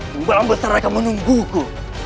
tembalan besar akan menungguku